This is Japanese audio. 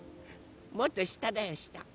もっとしただよした。